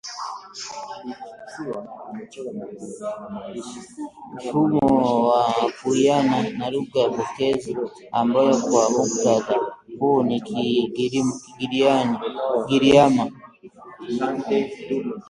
mfumo wa kuwiana na lugha pokezi ambayo kwa muktadha huu ni Kigiriama